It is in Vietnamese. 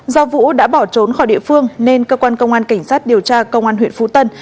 do vũ đã bỏ trốn khỏi địa phương nên cơ quan công an cảnh sát điều tra công an huyện phú tân